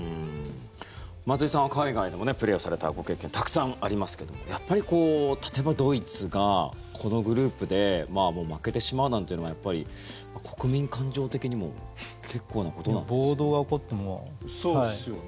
松井さんは海外でもプレーをされたご経験たくさんありますけども例えばドイツがこのグループで負けてしまうなんていうのは国民感情的にも結構なことなんですね。